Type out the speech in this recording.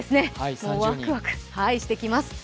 もうワクワクしてきます。